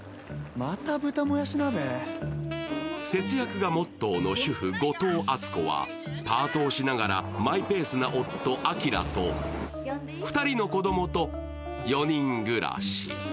節約がモットーの主婦、後藤篤子はパートをしながらマイペースな夫・章と２人の子供と４人暮らし。